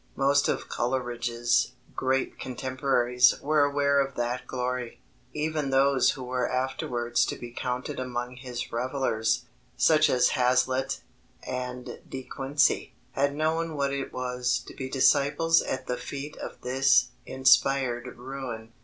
Most of Coleridge's great contemporaries were aware of that glory. Even those who were afterwards to be counted among his revilers, such as Hazlitt and De Quincey, had known what it was to be disciples at the feet of this inspired ruin.